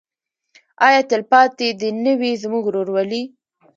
آیا تلپاتې دې نه وي زموږ ورورولي؟